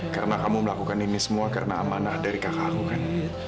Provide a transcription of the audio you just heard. karena kamu melakukan ini semua karena amanah dari kakakku kan